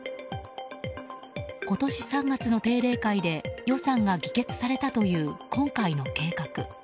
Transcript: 今年３月の定例会で予算が議決されたという今回の計画。